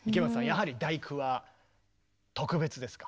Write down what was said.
やはり「第九」は特別ですか？